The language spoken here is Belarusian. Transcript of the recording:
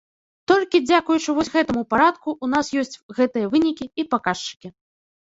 Толькі дзякуючы вось гэтаму парадку ў нас ёсць гэтыя вынікі і паказчыкі.